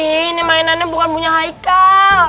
ini mainannya bukan punya haikal